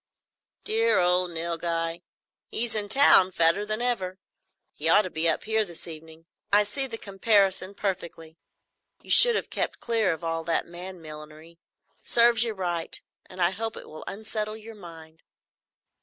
"Dear old Nilghai! He's in town, fatter than ever. He ought to be up here this evening. I see the comparison perfectly. You should have kept clear of all that man millinery. Serves you right; and I hope it will unsettle your mind."